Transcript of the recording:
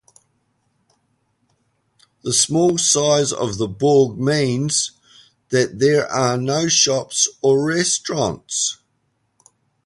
The small size of the Borg means that there are no shops or restaurants.